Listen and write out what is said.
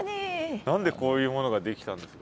何でこういうものが出来たんですか？